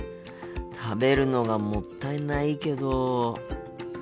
食べるのがもったいないけど。